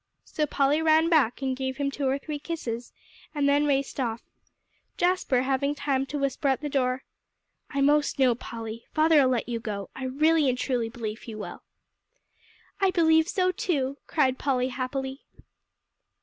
So Polly ran back and gave him two or three kisses, and then raced off, Jasper having time to whisper at the door: "I most know, Polly, father'll let you go; I really and truly believe he will." "I believe so too," cried Polly happily.